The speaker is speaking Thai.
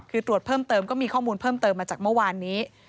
คือตรวจเพิ่มเติมก็มีข้อมูลเพิ่มเติมมาจากเมื่อวานนี้